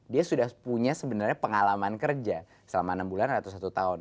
dia sudah punya sebenarnya pengalaman kerja selama enam bulan atau satu tahun